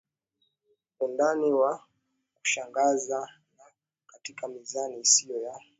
undani wa kushangaza na katika mizani isiyo ya